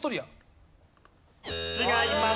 違います。